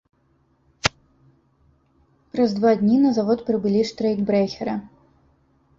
Праз два дні на завод прыбылі штрэйкбрэхеры.